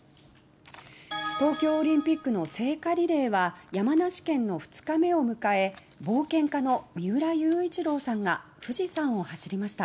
東京オリンピックの聖火リレーは山梨県の２日目をむかえ冒険家の三浦雄一郎さんが富士山を走りました。